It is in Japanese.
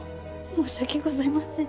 申し訳ございません。